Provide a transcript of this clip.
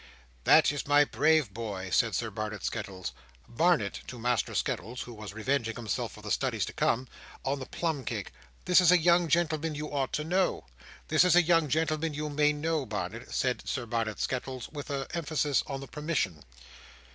"That is my brave boy," said Sir Barnet Skettles. "Barnet," to Master Skettles, who was revenging himself for the studies to come, on the plum cake, "this is a young gentleman you ought to know. This is a young gentleman you may know, Barnet," said Sir Barnet Skettles, with an emphasis on the permission.